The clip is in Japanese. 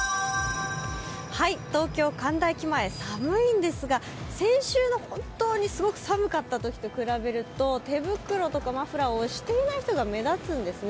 東京・神田駅前、寒いんですが、先週の本当にすごく寒かったときと比べると手袋とかマフラーをしていない人が目立つんですね。